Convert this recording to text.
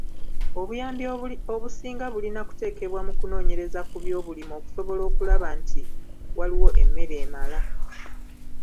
Obuyambi obusinga bulina kuteekebwa mu kunoonyereza ku byobulima okusobola okulaba nti waliwo emmere emala.